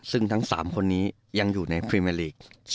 ซึ่งทั้ง๓คนนี้ยังอยู่ในพรีเมอร์ลีก